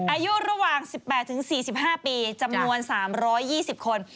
อายุระหว่าง๑๘๔๕ปีจำนวน๓๒๐คน